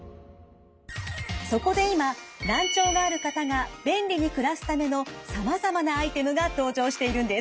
そこで今難聴がある方が便利に暮らすためのさまざまなアイテムが登場しているんです。